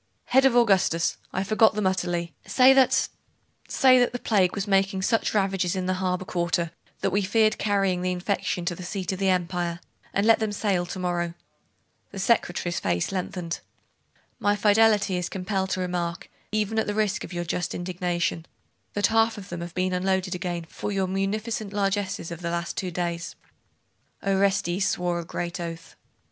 'Head of Augustus! I forgot them utterly. Say that say that the plague was making such ravages in the harbour quarter that we feared carrying the infection to the seat of the empire; and let them sail to morrow.' The secretary's face lengthened. 'My fidelity is compelled to remark, even at the risk of your just indignation, that half of them have been unloaded again for your munificent largesses of the last two days.' Orestes swore a great oath.